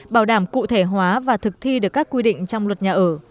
bảo đảm cụ thể hóa và thực thi được các quy định trong luật nhà ở